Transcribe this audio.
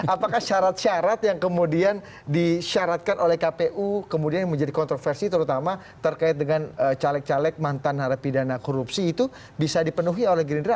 apakah syarat syarat yang kemudian disyaratkan oleh kpu kemudian menjadi kontroversi terutama terkait dengan caleg caleg mantan harapidana korupsi itu bisa dipenuhi oleh gerindra